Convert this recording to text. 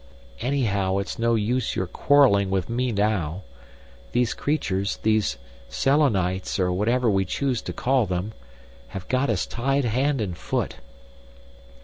"Anyhow, it's no use your quarrelling with me now. These creatures—these Selenites, or whatever we choose to call them—have got us tied hand and foot.